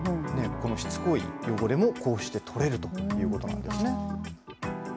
このしつこい汚れも、こうして取れるということなんですね。